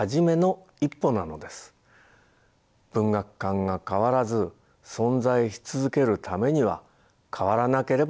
文学館が変わらず存在し続けるためには変わらなければなりません。